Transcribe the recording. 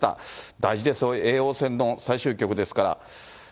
大事ですよ、叡王戦の最終局ですから。